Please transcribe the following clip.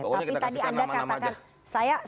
tapi tadi anda katakan